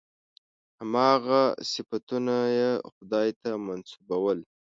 هماغه صفتونه یې خدای ته منسوبول.